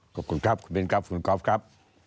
ขอบคุณครับคุณมินครับคุณก๊อฟครับ